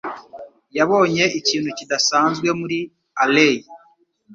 yabonye ikintu kidasanzwe muri alley.